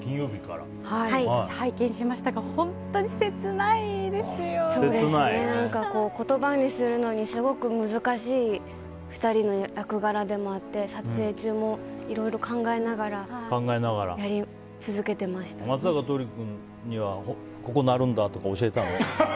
私、拝見しましたが言葉にするのにすごく難しい２人の役柄でもあって撮影中もいろいろ考えながら松坂桃李君にはここ鳴るんだとか教えたの？